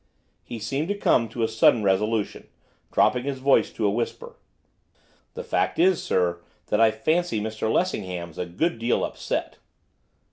He seemed to come to a sudden resolution, dropping his voice to a whisper. 'The fact is, sir, that I fancy Mr Lessingham's a good deal upset.